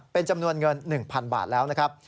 เป็นจำนวนเงิน๑๐๐๐บาทแล้วนะครับ